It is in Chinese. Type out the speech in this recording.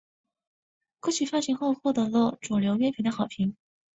歌曲发行后获得了主流乐评的好评。